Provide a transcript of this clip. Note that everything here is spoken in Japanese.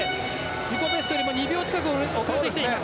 自己ベストよりも２秒近く遅れています。